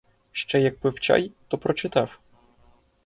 Ще як пив чай, то прочитав.